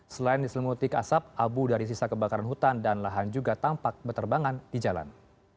selain diselimutik asap abu dari sisa kebakaran hutan dan lahan juga tampak berterbangan di jalan